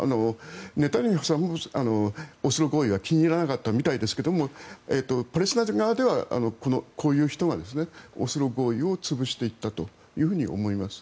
ネタニヤフさんもオスロ合意は気に入らなかったみたいですがパレスチナ側ではこういう人がオスロ合意を潰していったと思います。